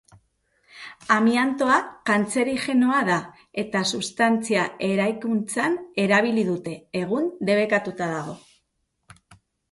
Amiantoa kantzerigenoa da eta substantzia eraikuntzan erabili dute, egun debekatuta dago.